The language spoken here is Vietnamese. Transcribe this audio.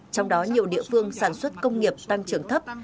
trong đó nhiều địa phương sản xuất công nghiệp tăng trưởng thấp